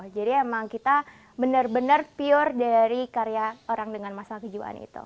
jadi emang kita benar benar pure dari karya orang dengan masalah kejuaan itu